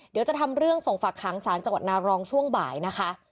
เดี๋ยวจะทำเรื่องส่งฝากหางศาลจังหวัดนารองช่วงบ่ายนะคะ